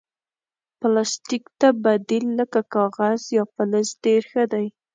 پلاستيک ته بدیل لکه کاغذ یا فلز ډېر ښه دی.